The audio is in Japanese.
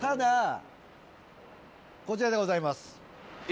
こちらでございます。